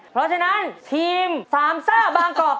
เพราะฉะนั้นทีมสามซ่าบางเกาะ